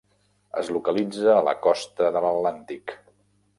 Es localitza a la costa de l'Atlàntic.